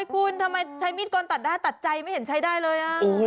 คุณทำไมใช้มีดกลตัดได้ตัดใจไม่เห็นใช้ได้เลย